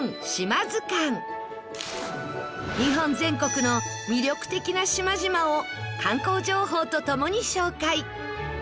日本全国の魅力的な島々を観光情報と共に紹介。